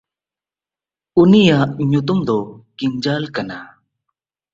ᱩᱱᱤᱭᱟᱜ ᱧᱩᱛᱩᱢ ᱫᱚ ᱠᱤᱱᱡᱟᱞ ᱠᱟᱱᱟ᱾